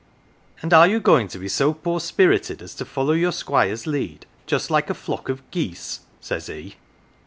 "'And are you going to be so poor spirited as to follow your Squire's lead just like a flock of geese?' says he.